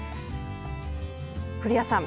古谷さん